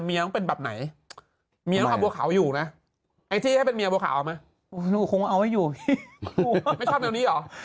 ไม่ชอบเดี๋ยวนี้เหรอชอบต่างเหรอ